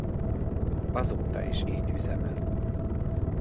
Azóta is így üzemel.